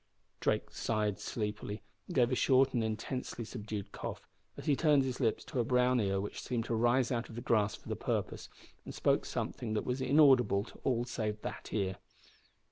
Drake sighed sleepily, and gave a short and intensely subdued cough, as he turned his lips to a brown ear which seemed to rise out of the grass for the purpose, and spoke something that was inaudible to all save that ear.